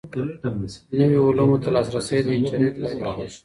نویو علومو ته لاسرسی د انټرنیټ له لارې کیږي.